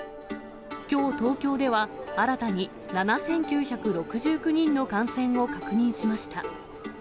きょう東京では新たに７９６９人の感染を確認しました。